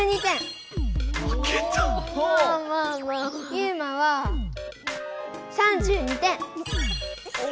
ユウマは３２点。